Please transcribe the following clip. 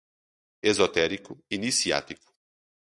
Esotérico, iniciático